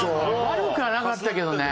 悪くはなかったけどね。